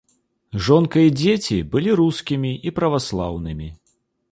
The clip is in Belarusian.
Жонка і дзеці былі рускімі і праваслаўнымі.